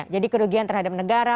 jadi kerugian terhadap negara